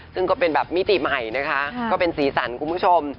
ซึ่งก็เป็นแบบมิติใหม่นะคะก็เป็นสีสันคุณผู้ชม